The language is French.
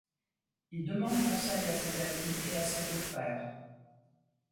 Il demande conseil à ses amis et à ses deux frères.